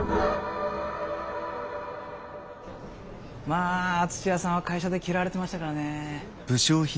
まあ土屋さんは会社で嫌われてましたからねえ。